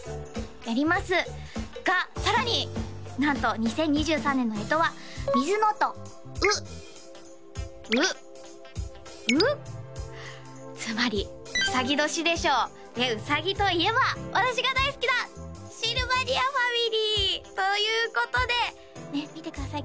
やりますがさらになんと２０２３年のえとはつまりうさぎ年でしょねっうさぎといえば私が大好きなシルバニアファミリーということでねっ見てください